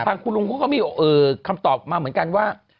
ทางคุณลุงเขาก็มีคำตอบมาเหมือนกันว่า